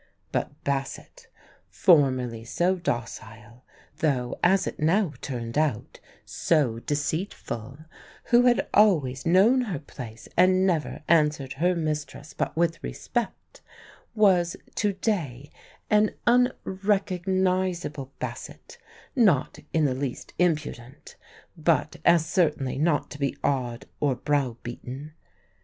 But Bassett, formerly so docile (though, as it now turned out, so deceitful); who had always known her place and never answered her mistress but with respect; was to day an unrecognisable Bassett not in the least impudent, but as certainly not to be awed or brow beaten.